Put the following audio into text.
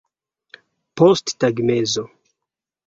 posttagmezo